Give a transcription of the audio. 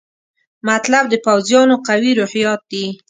مطلب د پوځیانو قوي روحیات دي.